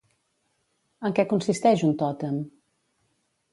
En què consisteix un tòtem?